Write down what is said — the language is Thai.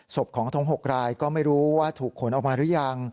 ศพของทั้ง๖รายก็ไม่รู้ว่าถูกขนออกมาหรือยัง